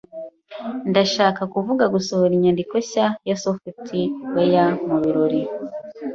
Ndashaka kuvuga gusohora inyandiko nshya ya software mu birori.